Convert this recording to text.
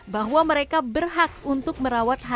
bahwa mereka berhak untuk merawat hak hak